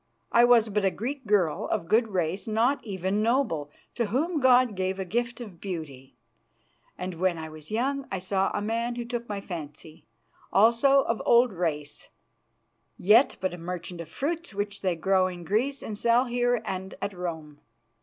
I was but a Greek girl of good race, not even noble, to whom God gave a gift of beauty; and when I was young I saw a man who took my fancy, also of old race, yet but a merchant of fruits which they grow in Greece and sell here and at Rome.